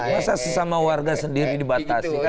masa sesama warga sendiri dibatasi kan